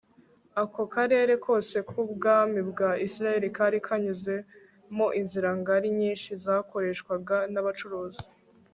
ako karere kose k'ubwami bwa isirayeli kari kanyuzemo inzira ngari nyinshi zakoreshwaga n'abacuruzi